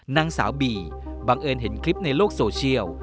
นางสาวบีบังเอิญเห็นคลิปในโลกโซเชียล